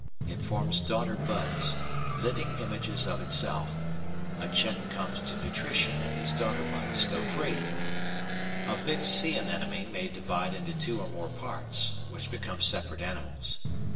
It forms daughter buds, living images of itself; a check comes to nutrition and these daughter buds go free. A big sea anemone may divide in two or more parts, which become separate animals.